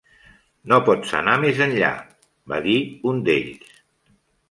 "No pots anar més enllà", va dir un d'ells.